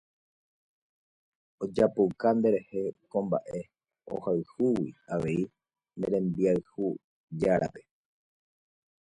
Ojapouka nderehe ko mba'e ohayhúgui avei ne rembiayhujárape.